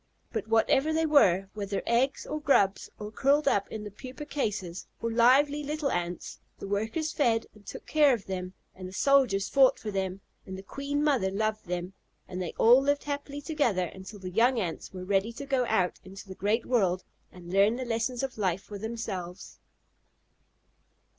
But whatever they were, whether eggs, or grubs, or curled up in the pupa cases, or lively little Ants, the workers fed and took care of them, and the soldiers fought for them, and the queen mother loved them, and they all lived happily together until the young Ants were ready to go out into the great world and learn the lessons of life for themselves.